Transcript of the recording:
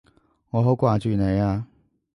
我好掛住你啊！